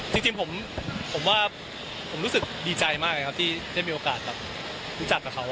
จริงผมรู้สึกดีใจมากที่จะมีโอกาสรู้จักกับเขา